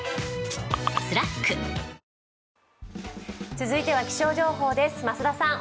続いては気象情報です。